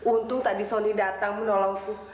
untung tadi soni datang menolongku